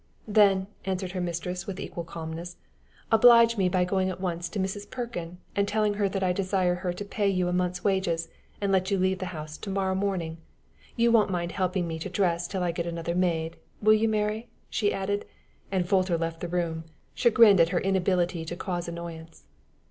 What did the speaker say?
"Then," answered her mistress, with equal calmness, "oblige me by going at once to Mrs. Perkin, and telling her that I desire her to pay you a month's wages, and let you leave the house to morrow morning. You won't mind helping me to dress till I get another maid will you, Mary?" she added; and Folter left the room, chagrined at her inability to cause annoyance.